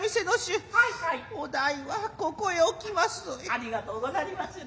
有り難うござりまする。